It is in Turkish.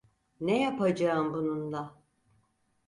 Ne yapacağım bununla?